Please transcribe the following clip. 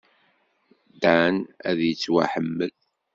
Dan ad yettwaḥemmel.